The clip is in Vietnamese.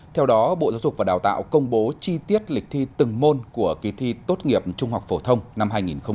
theo đó bộ giáo dục và đào tạo công bố chi tiết lịch thi từng môn của kỳ thi tốt nghiệp trung học phổ thông năm hai nghìn hai mươi